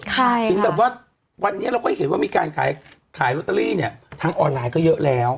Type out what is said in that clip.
ถึงแบบว่าวันนี้เราก็เห็นว่ามีการขายขายลอตเตอรี่เนี่ยทางออนไลน์ก็เยอะแล้ว